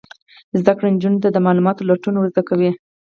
زده کړه نجونو ته د معلوماتو لټون ور زده کوي.